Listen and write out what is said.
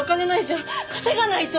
稼がないと！